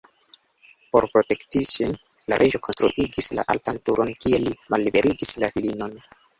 Por protekti ŝin, la reĝo konstruigis la altan turon kie li malliberigis la filinon.